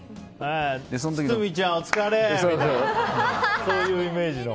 堤ちゃん、お疲れみたいなそういうイメージの。